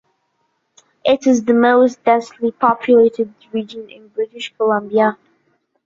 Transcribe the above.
It is the most densely populated region in British Columbia.